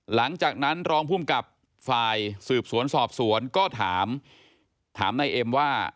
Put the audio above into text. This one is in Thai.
หลังจากนั้นรองภูมิกับฝ่ายสืบสวนสอบสวนก็ถามถามนายเอ็มว่า